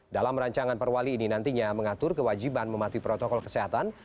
dalam rancangan perwali ini nantinya mengatur kewajiban mematuhi protokol kesehatan